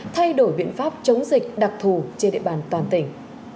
thay đổi biện pháp chống dịch đặc thù trên địa bàn toàn tỉnh